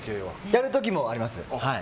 やる時もあります。